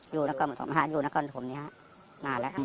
อยู่หลวงพักนี้มานานครับอยู่หลวงพักนี้มานานครับ